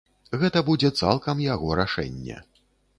Гэта будзе цалкам яго рашэнне.